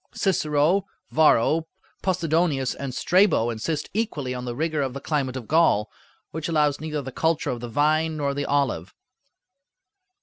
Cicero, Varro, Possidonius, and Strabo insist equally on the rigor of the climate of Gaul, which allows neither the culture of the vine nor the olive.